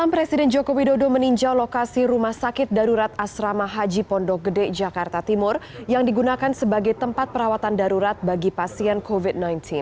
presiden joko widodo meninjau lokasi rumah sakit darurat asrama haji pondok gede jakarta timur yang digunakan sebagai tempat perawatan darurat bagi pasien covid sembilan belas